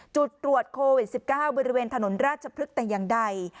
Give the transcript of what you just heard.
จุดตรวจโควิด๑๙บริเวณถนนราชพฤกษ์แต่อย่างใด